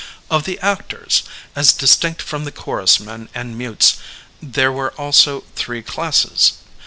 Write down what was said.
Of the actors, as distinct from the chorus men and mutes, there were also three classes.